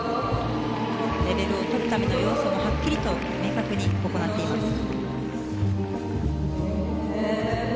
レベルをとるための要素もはっきりと明確に行いました。